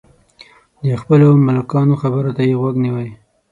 د خپلو ملکانو خبرو ته یې غوږ نیوی.